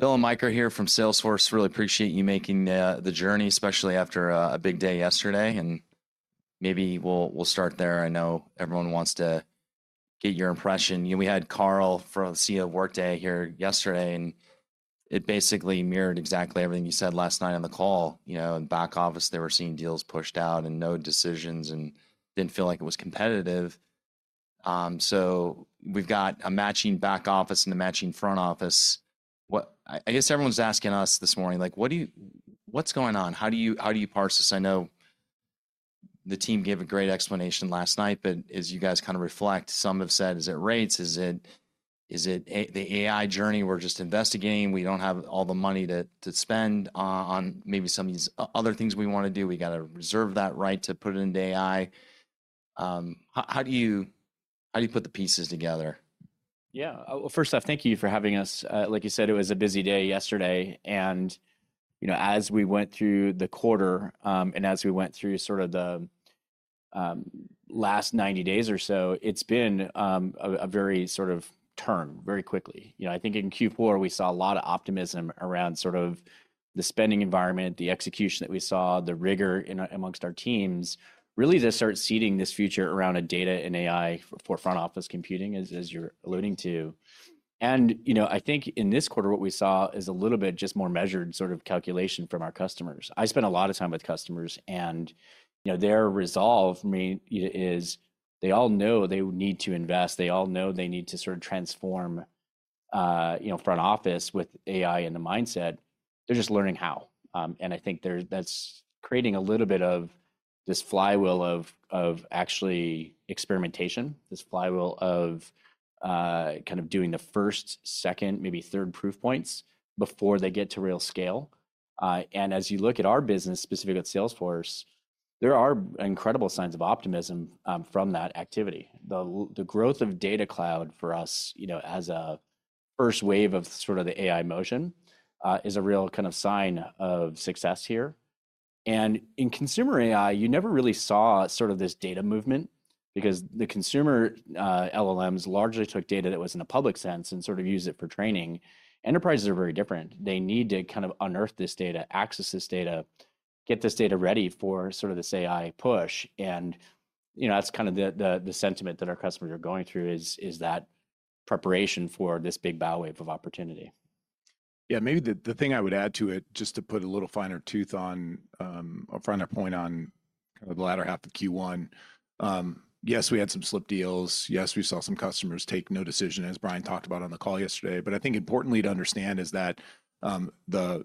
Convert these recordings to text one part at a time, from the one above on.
Bill and Mike are here from Salesforce. Really appreciate you making the journey, especially after a big day yesterday, and maybe we'll start there. I know everyone wants to get your impression. You know, we had Carl, the CEO of Workday here yesterday, and it basically mirrored exactly everything you said last night on the call. You know, in back office, they were seeing deals pushed out, and no decisions, and didn't feel like it was competitive. So we've got a matching back office and a matching front office. What... I guess everyone's asking us this morning, like, what do you- what's going on? How do you, how do you parse this? I know the team gave a great explanation last night, but as you guys kind of reflect, some have said, "Is it rates? Is it, is it the AI journey we're just investigating? We don't have all the money to spend on maybe some of these other things we want to do. We've got to reserve that right to put it into AI. How do you put the pieces together? Yeah. Well, first off, thank you for having us. Like you said, it was a busy day yesterday, and, you know, as we went through the quarter, and as we went through sort of the last 90 days or so, it's been a very sort of turn, very quickly. You know, I think in Q4, we saw a lot of optimism around sort of the spending environment, the execution that we saw, the rigor in amongst our teams, really to start seeding this future around a data and AI for front office computing, as you're alluding to. And you know, I think in this quarter, what we saw is a little bit just more measured sort of calculation from our customers. I spend a lot of time with customers, and, you know, their resolve, I mean, is they all know they need to invest, they all know they need to sort of transform, you know, front office with AI in the mindset. They're just learning how. And I think there's... That's creating a little bit of this flywheel of, of actually experimentation, this flywheel of, kind of doing the first, second, maybe third proof points before they get to real scale. And as you look at our business, specifically with Salesforce, there are incredible signs of optimism, from that activity. The growth of Data Cloud for us, you know, as a first wave of sort of the AI motion, is a real kind of sign of success here. In consumer AI, you never really saw sort of this data movement, because the consumer LLMs largely took data that was in a public sense and sort of used it for training. Enterprises are very different. They need to kind of unearth this data, access this data, get this data ready for sort of this AI push, and, you know, that's kind of the sentiment that our customers are going through, is that preparation for this big bow wave of opportunity. Yeah, maybe the thing I would add to it, just to put a little finer tooth on, a finer point on kind of the latter half of Q1, yes, we had some slipped deals. Yes, we saw some customers take no decision, as Brian talked about on the call yesterday. But I think importantly to understand is that, the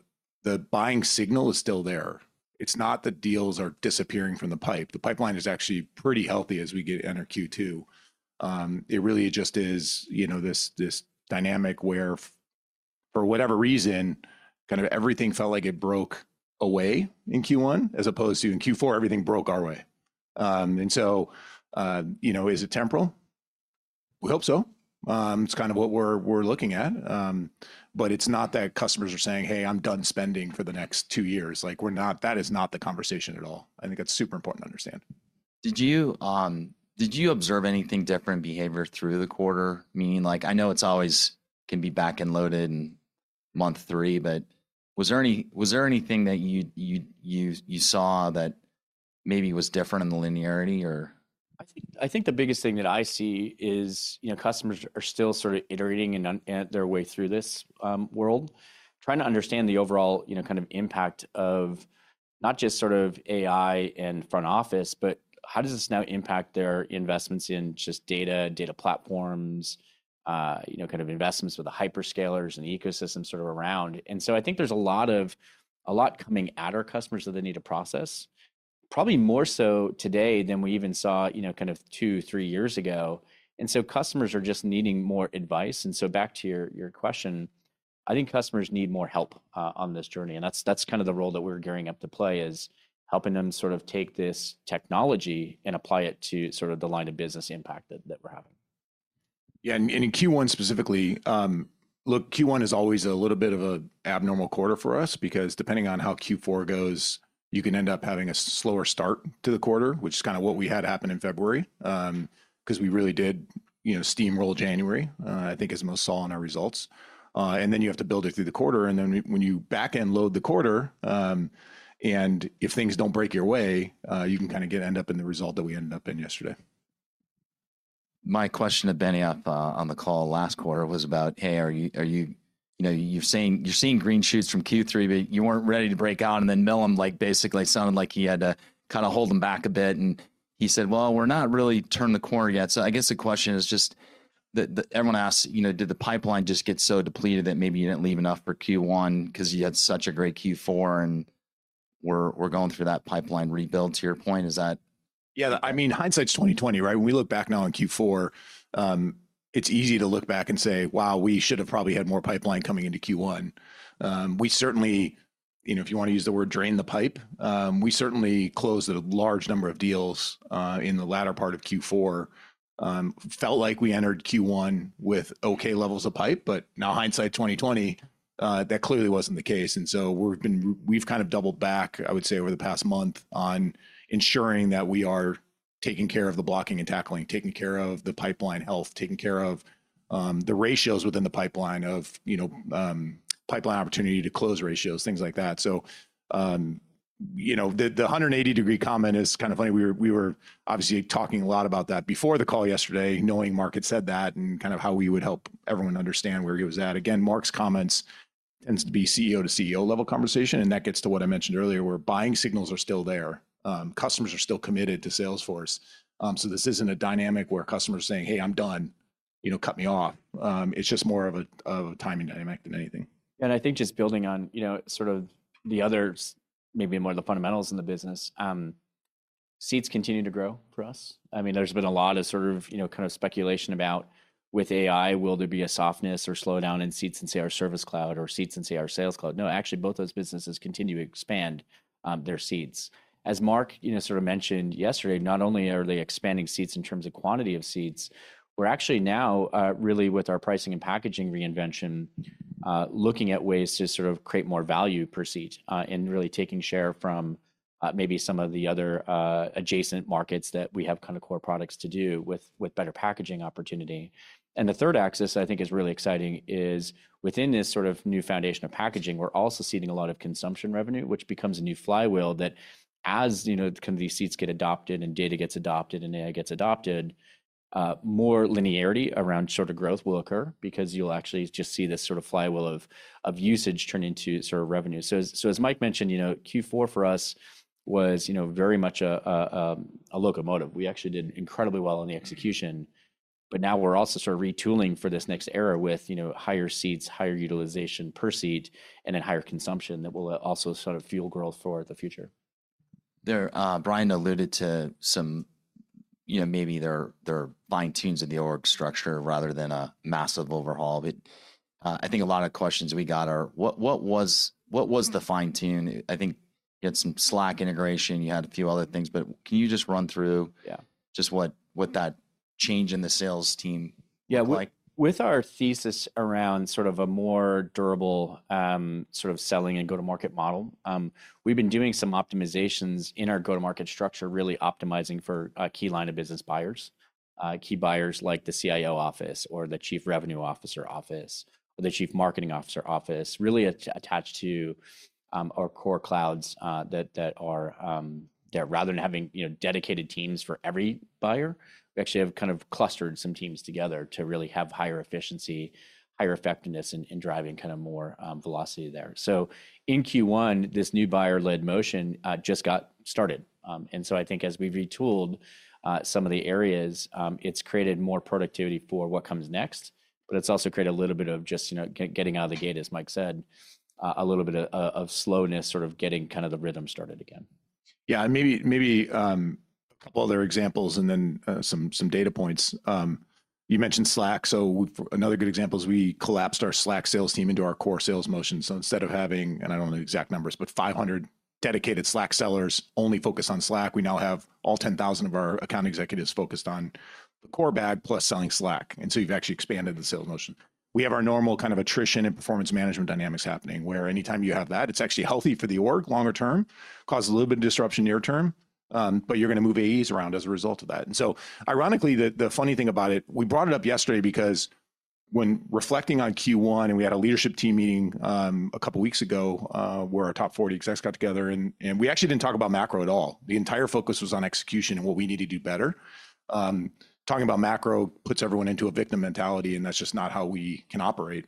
buying signal is still there. It's not that deals are disappearing from the pipe. The pipeline is actually pretty healthy as we get into Q2. It really just is, you know, this dynamic where, for whatever reason, kind of everything felt like it broke away in Q1, as opposed to in Q4, everything broke our way. And so, you know, is it temporal? We hope so. It's kind of what we're looking at, but it's not that customers are saying, "Hey, I'm done spending for the next two years." Like, we're not... That is not the conversation at all. I think that's super important to understand. Did you observe anything different behavior through the quarter? Meaning, like, I know it's always can be back-end loaded in month three, but was there anything that you saw that maybe was different in the linearity, or...? I think, I think the biggest thing that I see is, you know, customers are still sort of iterating and understanding their way through this world, trying to understand the overall, you know, kind of impact of not just sort of AI and front office, but how does this now impact their investments in just data, data platforms, you know, kind of investments with the hyperscalers and the ecosystem sort of around? And so I think there's a lot coming at our customers that they need to process, probably more so today than we even saw, you know, kind of two, three years ago, and so customers are just needing more advice. And so back to your question, I think customers need more help on this journey, and that's kind of the role that we're gearing up to play, is helping them sort of take this technology and apply it to sort of the line of business impact that we're having. Yeah, and in Q1 specifically, look, Q1 is always a little bit of an abnormal quarter for us because depending on how Q4 goes, you can end up having a slower start to the quarter, which is kind of what we had happen in February. Because we really did, you know, steamroll January, I think as most saw in our results. And then you have to build it through the quarter, and then when you back end-load the quarter, and if things don't break your way, you can kind of get end up in the result that we ended up in yesterday. My question to Benioff on the call last quarter was about, "Hey, are you, are you... You know, you're saying you're seeing green shoots from Q3, but you weren't ready to break out." And then Millham, like, basically sounded like he had to kind of hold him back a bit, and he said, "Well, we're not really turned the corner yet." So I guess the question is just, everyone asks, you know, did the pipeline just get so depleted that maybe you didn't leave enough for Q1 because you had such a great Q4, and we're going through that pipeline rebuild, to your point. Is that- Yeah, I mean, hindsight is 20/20, right? When we look back now on Q4, it's easy to look back and say, "Wow, we should have probably had more pipeline coming into Q1." We certainly, you know, if you want to use the word, drain the pipe, we certainly closed a large number of deals in the latter part of Q4. Felt like we entered Q1 with okay levels of pipe, but now hindsight 20/20, that clearly wasn't the case. And so we've kind of doubled back, I would say, over the past month, on ensuring that we are taking care of the blocking and tackling, taking care of the pipeline health, taking care of the ratios within the pipeline of, you know, pipeline opportunity to close ratios, things like that. So, you know, the 180-degree comment is kind of funny. We were obviously talking a lot about that before the call yesterday, knowing Marc had said that, and kind of how we would help everyone understand where he was at. Again, Marc's comments tends to be CEO-to-CEO-level conversation, and that gets to what I mentioned earlier, where buying signals are still there. Customers are still committed to Salesforce, so this isn't a dynamic where a customer is saying, "Hey, I'm done, you know, cut me off." It's just more of a timing dynamic than anything. I think just building on, you know, sort of the others, maybe more of the fundamentals in the business, seats continue to grow for us. I mean, there's been a lot of sort of, you know, kind of speculation about with AI, will there be a softness or slowdown in seats in, say, our Service Cloud or seats in, say, our Sales Cloud? No, actually, both those businesses continue to expand their seats. As Marc, you know, sort of mentioned yesterday, not only are they expanding seats in terms of quantity of seats, we're actually now really with our pricing and packaging reinvention looking at ways to sort of create more value per seat and really taking share from maybe some of the other adjacent markets that we have kind of core products to do with, with better packaging opportunity. The third axis I think is really exciting is within this sort of new foundation of packaging, we're also seeing a lot of consumption revenue, which becomes a new flywheel that as, you know, kind of these seats get adopted and data gets adopted, and AI gets adopted, more linearity around sort of growth will occur because you'll actually just see this sort of flywheel of, of usage turn into sort of revenue. So as Mike mentioned, you know, Q4 for us was, you know, very much a locomotive. We actually did incredibly well in the execution, but now we're also sort of retooling for this next era with, you know, higher seats, higher utilization per seat, and then higher consumption that will also sort of fuel growth for the future. There, Brian alluded to some, you know, maybe there are fine-tunes in the org structure rather than a massive overhaul, but I think a lot of questions we got are, what was the fine-tune? I think you had some Slack integration, you had a few other things, but can you just run through- Yeah... just what that change in the sales team looked like? Yeah, with our thesis around sort of a more durable, sort of selling and go-to-market model, we've been doing some optimizations in our go-to-market structure, really optimizing for a key line of business buyers. Key buyers like the CIO office or the Chief Revenue Officer office or the Chief Marketing Officer office, really attached to our core clouds, that rather than having, you know, dedicated teams for every buyer, we actually have kind of clustered some teams together to really have higher efficiency, higher effectiveness in driving kind of more velocity there. So in Q1, this new buyer-led motion just got started. And so I think as we've retooled some of the areas, it's created more productivity for what comes next, but it's also created a little bit of just, you know, getting out of the gate, as Mike said, a little bit of slowness, sort of getting kind of the rhythm started again. Yeah, and maybe, maybe, a couple other examples and then, some data points. You mentioned Slack, so another good example is we collapsed our Slack sales team into our core sales motion. So instead of having, and I don't know the exact numbers, but 500 dedicated Slack sellers only focused on Slack, we now have all 10,000 of our account executives focused on the core bag plus selling Slack, and so we've actually expanded the sales motion. We have our normal kind of attrition and performance management dynamics happening, where anytime you have that, it's actually healthy for the org longer term, causes a little bit of disruption near term, but you're going to move AEs around as a result of that. And so ironically, the funny thing about it, we brought it up yesterday because when reflecting on Q1, and we had a leadership team meeting a couple weeks ago, where our top 40 execs got together and we actually didn't talk about macro at all. The entire focus was on execution and what we need to do better. Talking about macro puts everyone into a victim mentality, and that's just not how we can operate.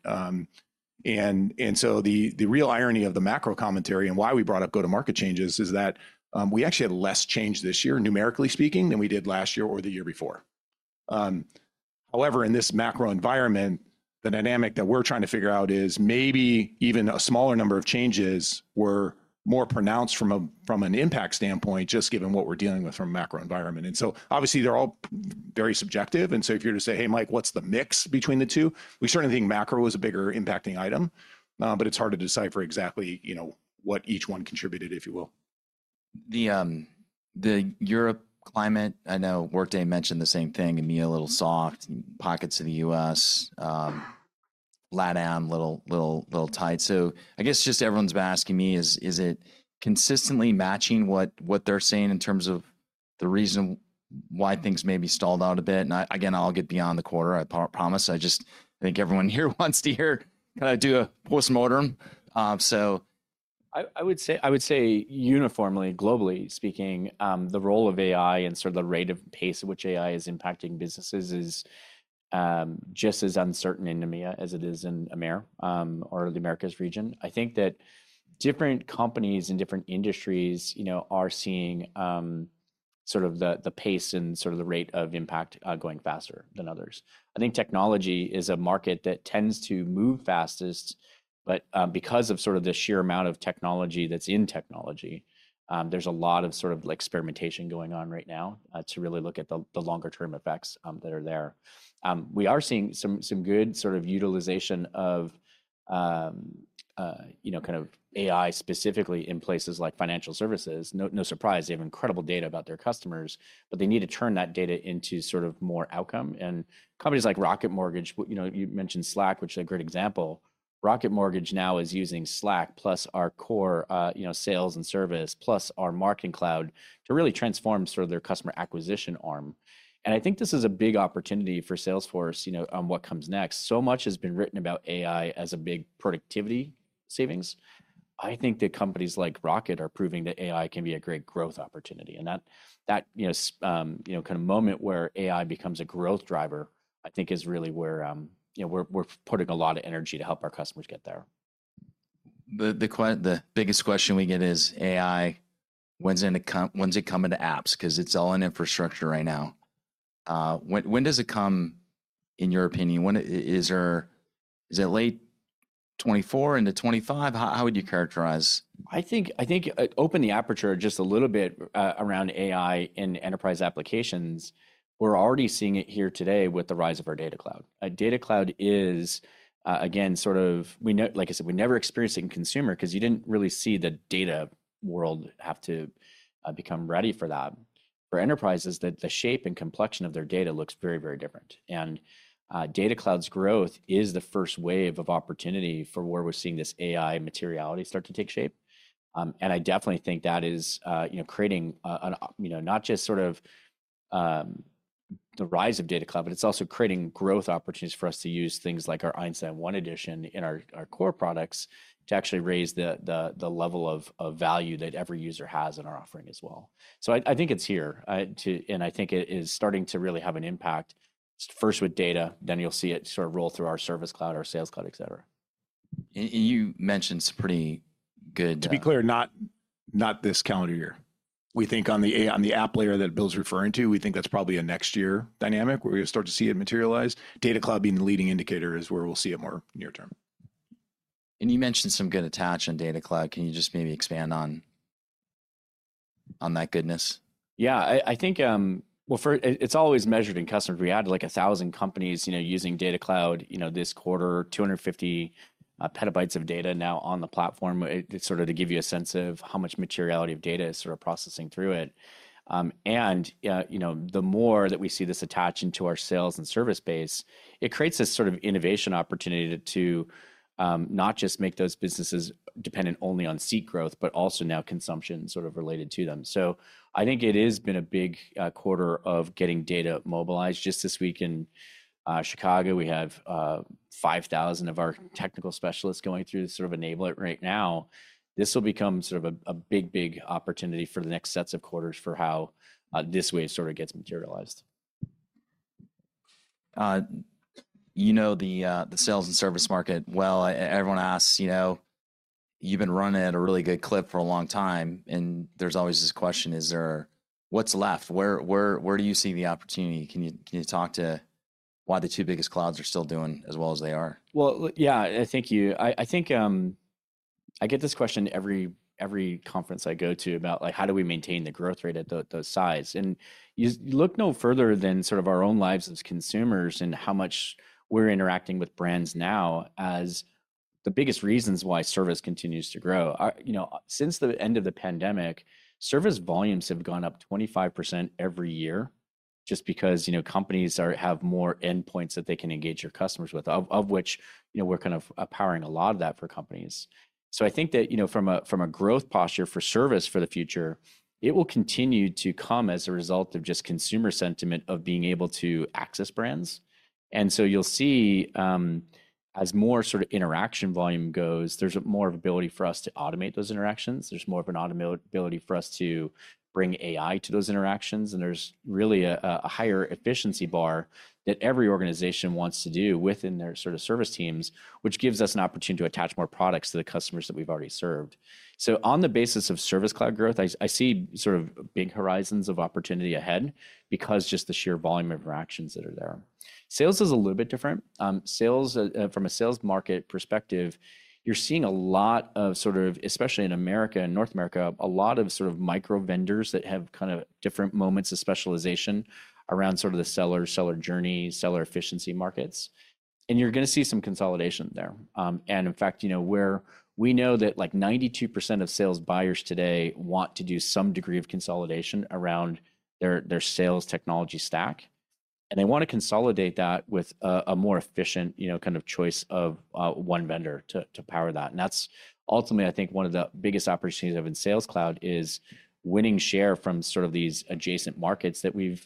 And so the real irony of the macro commentary and why we brought up go-to-market changes is that, we actually had less change this year, numerically speaking, than we did last year or the year before. However, in this macro environment, the dynamic that we're trying to figure out is maybe even a smaller number of changes were more pronounced from an impact standpoint, just given what we're dealing with from a macro environment. So obviously, they're all very subjective, and so if you were to say, "Hey, Mike, what's the mix between the two?" We certainly think macro is a bigger impacting item, but it's hard to decipher exactly, you know, what each one contributed, if you will. The European climate, I know Workday mentioned the same thing, and be a little soft in pockets of the US, LatAm little tight. So I guess just everyone's been asking me, is it consistently matching what they're saying in terms of the reason why things may be stalled out a bit? And I, again, I'll get beyond the quarter, I promise. I just think everyone here wants to hear, can I do a post-mortem? So... I would say uniformly, globally speaking, the role of AI and sort of the rate of pace at which AI is impacting businesses is just as uncertain in EMEA as it is in AMER, or the Americas region. I think that different companies in different industries, you know, are seeing sort of the pace and sort of the rate of impact going faster than others. I think technology is a market that tends to move fastest, but because of sort of the sheer amount of technology that's in technology, there's a lot of sort of experimentation going on right now to really look at the longer-term effects that are there. We are seeing some good sort of utilization of you know, kind of AI specifically in places like financial services. No, no surprise, they have incredible data about their customers, but they need to turn that data into sort of more outcome. And companies like Rocket Mortgage, you know, you mentioned Slack, which is a great example. Rocket Mortgage now is using Slack plus our core, you know, sales and service, plus our Marketing Cloud to really transform sort of their customer acquisition arm. And I think this is a big opportunity for Salesforce, you know, on what comes next. So much has been written about AI as a big productivity savings. I think that companies like Rocket are proving that AI can be a great growth opportunity, and that, you know, kind of moment where AI becomes a growth driver, I think is really where, you know, we're putting a lot of energy to help our customers get there. The biggest question we get is AI, when's it gonna come to apps? 'Cause it's all in infrastructure right now. When does it come, in your opinion? Is it late 2024 into 2025? How would you characterize? I think open the aperture just a little bit around AI in enterprise applications. We're already seeing it here today with the rise of our Data Cloud. Data Cloud is, again, sort of, like I said, we never experienced it in consumer 'cause you didn't really see the data world have to become ready for that. For enterprises, the shape and complexion of their data looks very, very different. And Data Cloud's growth is the first wave of opportunity for where we're seeing this AI materiality start to take shape. I definitely think that is, you know, creating, an, you know, not just sort of, the rise of Data Cloud, but it's also creating growth opportunities for us to use things like our Einstein 1 Edition and our core products to actually raise the level of value that every user has in our offering as well. So I think it's here, to... I think it is starting to really have an impact, first with data, then you'll see it sort of roll through our Service Cloud, our Sales Cloud, et cetera. You mentioned some pretty good To be clear, not, not this calendar year. We think on the app layer that Bill's referring to, we think that's probably a next year dynamic, where we start to see it materialize. Data Cloud being the leading indicator is where we'll see it more near term. You mentioned some good attach on Data Cloud. Can you just maybe expand on, on that goodness? Yeah, I think. Well, first, it's always measured in customers. We added, like, 1,000 companies, you know, using Data Cloud, you know, this quarter, 250 petabytes of data now on the platform. It's sort of to give you a sense of how much materiality of data is sort of processing through it. And, you know, the more that we see this attaching to our sales and service base, it creates this sort of innovation opportunity to not just make those businesses dependent only on seat growth, but also now consumption sort of related to them. So I think it is been a big quarter of getting data mobilized. Just this week in Chicago, we have 5,000 of our technical specialists going through to sort of enable it right now. This will become sort of a, a big, big opportunity for the next sets of quarters for how this wave sort of gets materialized. You know the sales and service market well. Everyone asks, you know, you've been running at a really good clip for a long time, and there's always this question: Is there... What's left? Where, where, where do you see the opportunity? Can you, can you talk to why the two biggest clouds are still doing as well as they are? Well, yeah, I think you... I think I get this question every conference I go to about, like, how do we maintain the growth rate at the size? You look no further than sort of our own lives as consumers and how much we're interacting with brands now as the biggest reasons why service continues to grow. You know, since the end of the pandemic, service volumes have gone up 25% every year just because, you know, companies have more endpoints that they can engage their customers with, of which, you know, we're kind of powering a lot of that for companies. So I think that, you know, from a growth posture for service for the future, it will continue to come as a result of just consumer sentiment of being able to access brands. And so you'll see, as more sort of interaction volume goes, there's more of ability for us to automate those interactions. There's more of an ability for us to bring AI to those interactions, and there's really a higher efficiency bar that every organization wants to do within their sort of service teams, which gives us an opportunity to attach more products to the customers that we've already served. So on the basis of Service Cloud growth, I see sort of big horizons of opportunity ahead because just the sheer volume of interactions that are there. Sales is a little bit different. Sales, from a sales market perspective, you're seeing a lot of sort of, especially in America, in North America, a lot of sort of micro vendors that have kind of different moments of specialization around sort of the seller, seller journey, seller efficiency markets, and you're gonna see some consolidation there. And in fact, you know, we know that, like, 92% of sales buyers today want to do some degree of consolidation around their, their sales technology stack, and they want to consolidate that with a, a more efficient, you know, kind of choice of, one vendor to, to power that. That's ultimately, I think, one of the biggest opportunities we have in Sales Cloud is winning share from sort of these adjacent markets that we've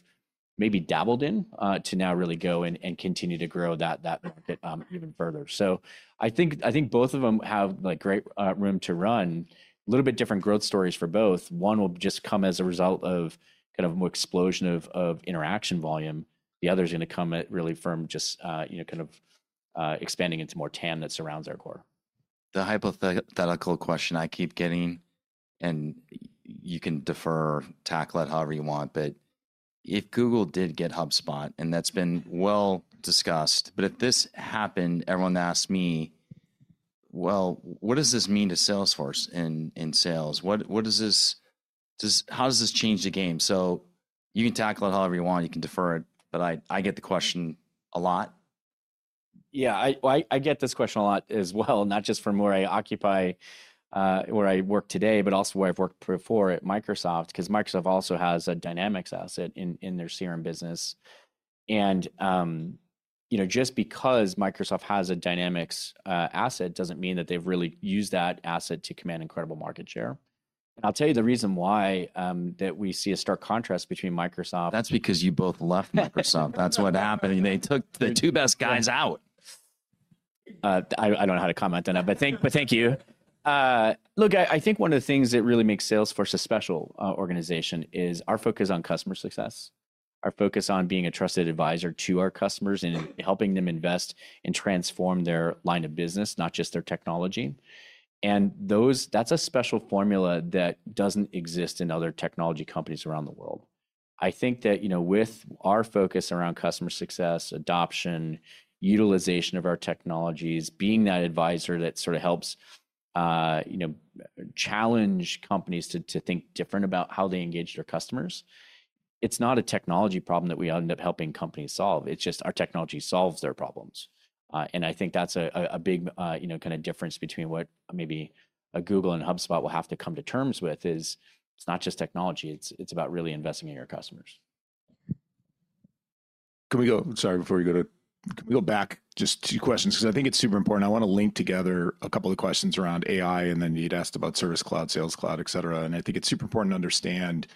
maybe dabbled in, to now really go and continue to grow that market even further. So I think both of them have, like, great room to run. A little bit different growth stories for both. One will just come as a result of kind of more explosion of interaction volume. The other's gonna come at really from just, you know, kind of expanding into more TAM that surrounds our core. The hypothetical question I keep getting, and you can defer or tackle it however you want, but if Google did get HubSpot, and that's been well discussed, but if this happened, everyone asks me, "Well, what does this mean to Salesforce in sales? What does this? How does this change the game?" So you can tackle it however you want. You can defer it, but I get the question a lot. Yeah, well, I get this question a lot as well, not just from where I occupy, where I work today, but also where I've worked before at Microsoft, 'cause Microsoft also has a Dynamics asset in their CRM business, and, you know, just because Microsoft has a Dynamics asset, doesn't mean that they've really used that asset to command incredible market share. I'll tell you the reason why, that we see a stark contrast between Microsoft- That's because you both left Microsoft. That's what happened. They took the two best guys out. I don't know how to comment on that, but thank you. Look, I think one of the things that really makes Salesforce a special organization is our focus on customer success, our focus on being a trusted advisor to our customers and helping them invest and transform their line of business, not just their technology. That's a special formula that doesn't exist in other technology companies around the world. I think that, you know, with our focus around customer success, adoption, utilization of our technologies, being that advisor that sorta helps, you know, challenge companies to think different about how they engage their customers, it's not a technology problem that we end up helping companies solve, it's just our technology solves their problems. And I think that's a big, you know, kinda difference between what maybe a Google and HubSpot will have to come to terms with, is it's not just technology, it's about really investing in your customers. Can we go? Sorry, before we go to—can we go back just two questions? 'Cause I think it's super important. I wanna link together a couple of questions around AI, and then you'd asked about Service Cloud, Sales Cloud, et cetera, and I think it's super important to understand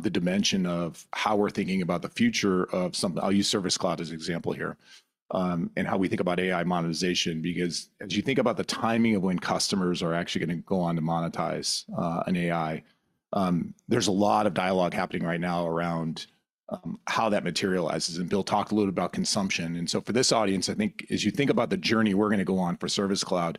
the dimension of how we're thinking about the future of—I'll use Service Cloud as an example here, and how we think about AI monetization. Because as you think about the timing of when customers are actually gonna go on to monetize an AI, there's a lot of dialogue happening right now around how that materializes, and Bill, talk a little about consumption. And so for this audience, I think as you think about the journey we're gonna go on for Service Cloud,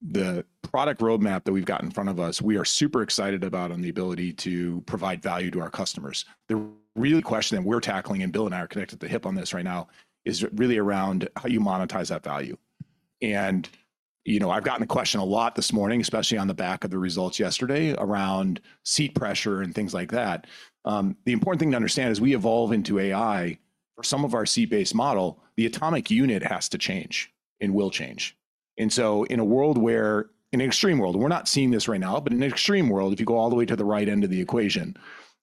the product roadmap that we've got in front of us, we are super excited about on the ability to provide value to our customers. The real question that we're tackling, and Bill and I are connected at the hip on this right now, is really around how you monetize that value. And, you know, I've gotten the question a lot this morning, especially on the back of the results yesterday, around seat pressure and things like that. The important thing to understand as we evolve into AI, for some of our seat-based model, the atomic unit has to change and will change. And so in a world where, in an extreme world, we're not seeing this right now, but in an extreme world, if you go all the way to the right end of the equation,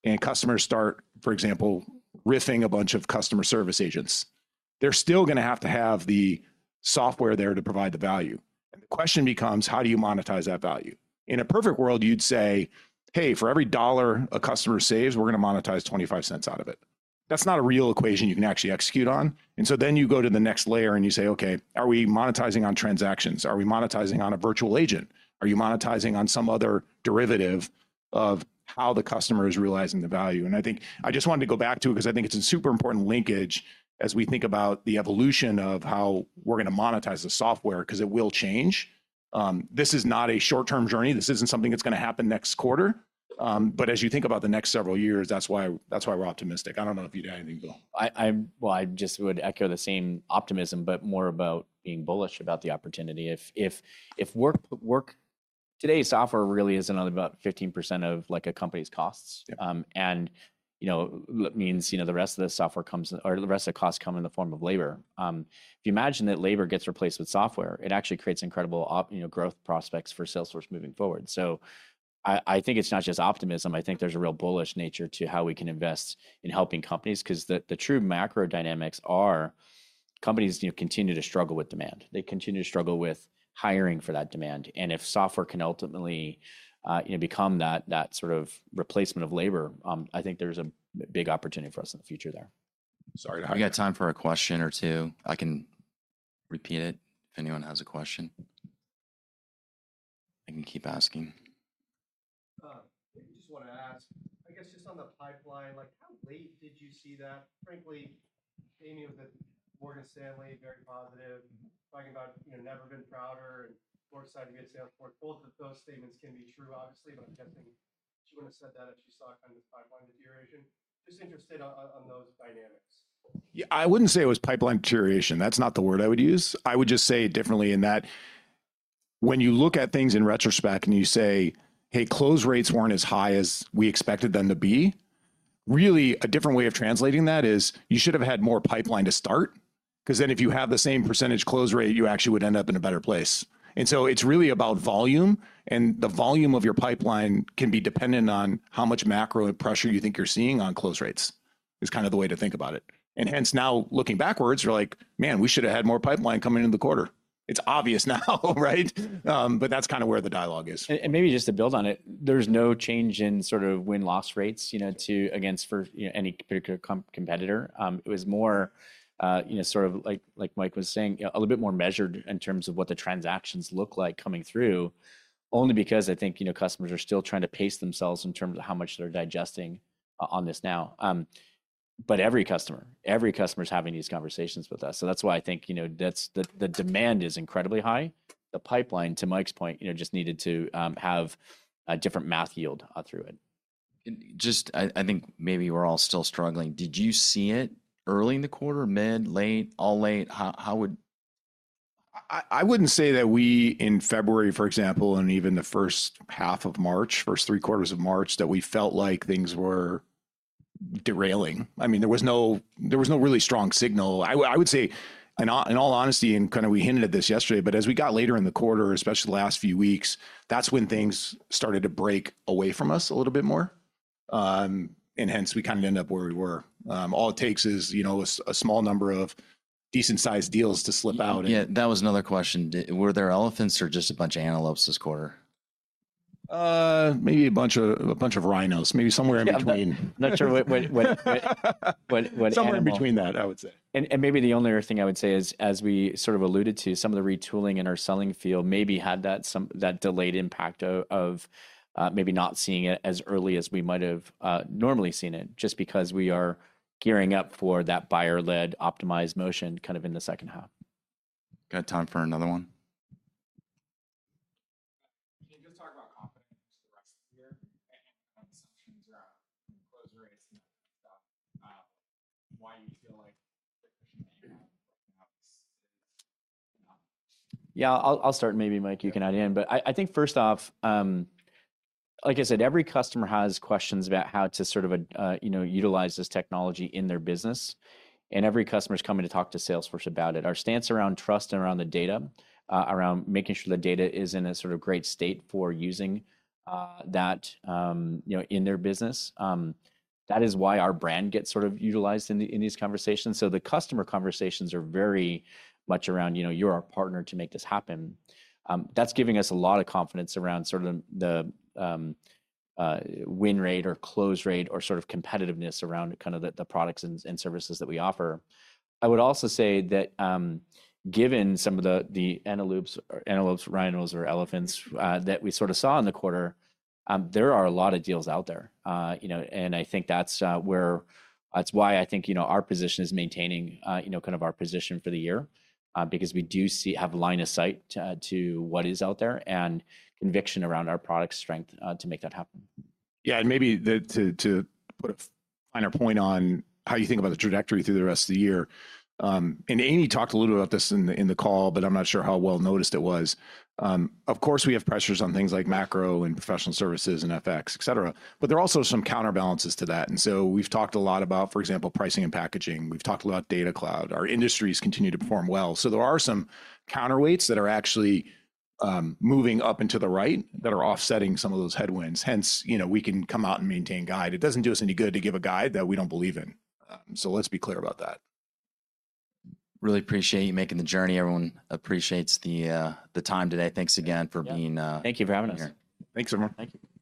and customers start, for example, riffing a bunch of customer service agents, they're still gonna have to have the software there to provide the value. And the question becomes: how do you monetize that value? In a perfect world, you'd say, "Hey, for every $1 a customer saves, we're gonna monetize $0.25 out of it." That's not a real equation you can actually execute on. And so then you go to the next layer and you say, "Okay, are we monetizing on transactions? Are we monetizing on a virtual agent? Are you monetizing on some other derivative of how the customer is realizing the value?" I think I just wanted to go back to it 'cause I think it's a super important linkage as we think about the evolution of how we're gonna monetize the software, 'cause it will change. This is not a short-term journey. This isn't something that's gonna happen next quarter. But as you think about the next several years, that's why, that's why we're optimistic. I don't know if you'd add anything, Bill. Well, I just would echo the same optimism, but more about being bullish about the opportunity. If Workday today, software really is another about 15% of, like, a company's costs. Yeah. And, you know, that means, you know, the rest of the software comes... or the rest of the costs come in the form of labor. If you imagine that labor gets replaced with software, it actually creates incredible op- you know, growth prospects for Salesforce moving forward. So I, I think it's not just optimism, I think there's a real bullish nature to how we can invest in helping companies, 'cause the, the true macro dynamics are companies, you know, continue to struggle with demand. They continue to struggle with hiring for that demand, and if software can ultimately, you know, become that, that sort of replacement of labor, I think there's a big opportunity for us in the future there. Sorry to interrupt- We got time for a question or two. I can repeat it if anyone has a question. I can keep asking. I just wanna ask, I guess, just on the pipeline, like, how late did you see that? Frankly, Amy with Morgan Stanley, very positive, talking about, you know, never been prouder and foresight to get Salesforce. Both of those statements can be true, obviously, but I'm guessing she wouldn't have said that if she saw kind of pipeline deterioration. Just interested on those dynamics. Yeah, I wouldn't say it was pipeline deterioration. That's not the word I would use. I would just say it differently in that when you look at things in retrospect and you say, "Hey, close rates weren't as high as we expected them to be," really, a different way of translating that is, you should have had more pipeline to start, 'cause then if you have the same percentage close rate, you actually would end up in a better place. And so it's really about volume, and the volume of your pipeline can be dependent on how much macro and pressure you think you're seeing on close rates, is kind of the way to think about it. And hence now, looking backwards, we're like: Man, we should've had more pipeline coming into the quarter. It's obvious now, right? But that's kinda where the dialogue is. Maybe just to build on it, there's no change in sort of win-loss rates, you know, to against for, you know, any particular competitor. It was more, you know, sort of like, like Mike was saying, a little bit more measured in terms of what the transactions look like coming through, only because I think, you know, customers are still trying to pace themselves in terms of how much they're digesting on this now. But every customer, every customer is having these conversations with us. So that's why I think, you know, that's the demand is incredibly high. The pipeline, to Mike's point, you know, just needed to have a different math yield through it. I think maybe we're all still struggling. Did you see it early in the quarter, mid, late, all late? How would- I wouldn't say that we, in February, for example, and even the first half of March, first three quarters of March, that we felt like things were derailing. I mean, there was no, there was no really strong signal. I would say, in all honesty, and kind of we hinted at this yesterday, but as we got later in the quarter, especially the last few weeks, that's when things started to break away from us a little bit more... and hence we kind of end up where we were. All it takes is, you know, a small number of decent-sized deals to slip out and- Yeah, that was another question. Were there elephants or just a bunch of antelopes this quarter? Maybe a bunch of rhinos, maybe somewhere in between. Not sure what animal- Somewhere between that, I would say. Maybe the only other thing I would say is, as we sort of alluded to, some of the retooling in our selling field maybe had some delayed impact of maybe not seeing it as early as we might have normally seen it, just because we are gearing up for that buyer-led optimized motion kind of in the second half. Got time for another one? Can you just talk about confidence for the rest of the year, and assumptions around close rates and that kind of stuff? Why you feel like Yeah, I'll start, and maybe Mike, you can add in. But I think first off, like I said, every customer has questions about how to sort of, you know, utilize this technology in their business, and every customer's coming to talk to Salesforce about it. Our stance around trust and around the data, around making sure the data is in a sort of great state for using, that, you know, in their business, that is why our brand gets sort of utilized in these conversations. So the customer conversations are very much around, "You know, you're our partner to make this happen." That's giving us a lot of confidence around sort of the win rate or close rate or sort of competitiveness around kind of the products and services that we offer. I would also say that, given some of the antelopes, rhinos, or elephants that we sort of saw in the quarter, there are a lot of deals out there. You know, and I think that's where... That's why I think, you know, our position is maintaining, you know, kind of our position for the year, because we have line of sight to what is out there, and conviction around our product strength to make that happen. Yeah, and maybe to put a finer point on how you think about the trajectory through the rest of the year, and Amy talked a little about this in the call, but I'm not sure how well noticed it was. Of course, we have pressures on things like macro and professional services and FX, et cetera, but there are also some counterbalances to that. And so we've talked a lot about, for example, pricing and packaging. We've talked a lot about Data Cloud. Our industries continue to perform well. So there are some counterweights that are actually moving up and to the right, that are offsetting some of those headwinds. Hence, you know, we can come out and maintain guide. It doesn't do us any good to give a guide that we don't believe in. So let's be clear about that. Really appreciate you making the journey. Everyone appreciates the, the time today. Thanks again for being, Yeah. Thank you for having us. Thanks everyone. Thank you.